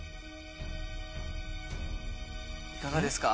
いかがですか？